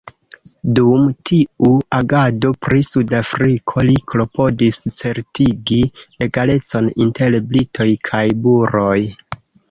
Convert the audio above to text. Dum tiu agado pri Sudafriko, li klopodis certigi egalecon inter Britoj kaj Buroj.